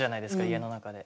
家の中で。